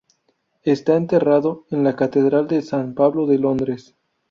Está enterrado en la catedral de San Pablo de Londres.